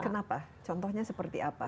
kenapa contohnya seperti apa